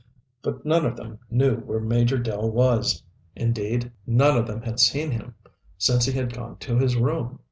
But none of them knew where Major Dell was. Indeed none of them had seen him since he had gone to his room.